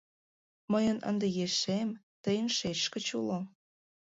Мыйын ынде ешем, тыйын шешкыч уло.